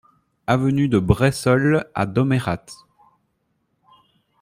Avenue de Bressolles à Domérat